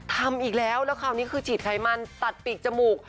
ทำอีกแล้วแล้วคราวนี้คือฉีดไขมันตัดปีกจมูก